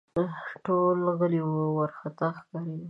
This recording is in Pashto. ټول غلي وه ، وارخطا ښکارېدل